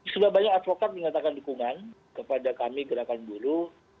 sudah banyak advokat yang mengatakan dukungan kepada kami gerakan dulu